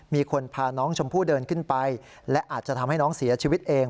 มีคนพาน้องชมพู่เดินขึ้นไปและอาจจะทำให้น้องเสียชีวิตเอง